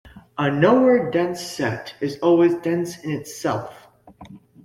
A nowhere dense set is always dense in itself.